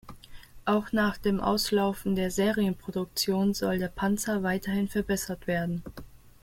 Auch nach dem Auslaufen der Serienproduktion soll der Panzer weiterhin verbessert werden.